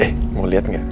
eh mau lihat nggak